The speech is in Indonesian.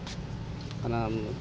ya sedikitnya dia bisa membantu masyarakat